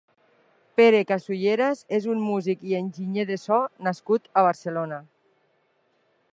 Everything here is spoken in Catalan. Pere Casulleras és un músic i Enginyer de so nascut a Barcelona.